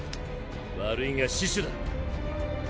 悪いが死守だ。